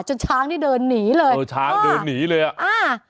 ช้างนี่เดินหนีเลยเออช้างเดินหนีเลยอ่ะอ่า